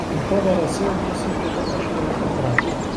انتظر سامي ستّة أشهر أخرى.